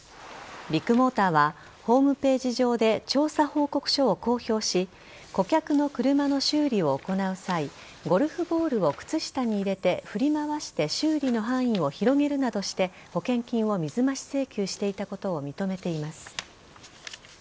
ビッグモーターはホームページ上で調査報告書を公表し顧客の車の修理を行う際ゴルフボールを靴下に入れて振り回して修理の範囲を広げるなどして保険金を水増し請求していたことを認めています。